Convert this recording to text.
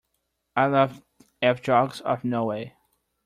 I love the fjords of Norway.